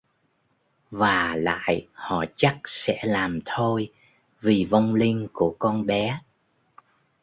và lại họ chắc sẽ làm thôi vì vong linh của con bé